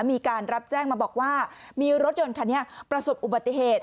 มีการรับแจ้งมาบอกว่ามีรถยนต์คันนี้ประสบอุบัติเหตุ